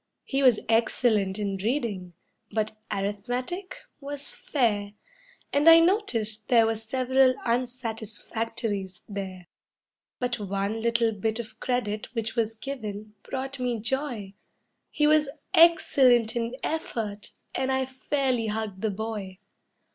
He was excellent in reading, but arithmetic, was fair, And I noticed there were several "unsatisfactorys" there; But one little bit of credit which was given brought me joy He was "excellent in effort," and I fairly hugged the boy.